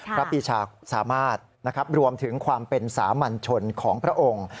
พระบิชาสามารถรวมถึงความเป็นสามัญชนของพระองค์